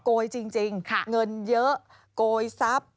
โกยจริงเงินเยอะโกยซับ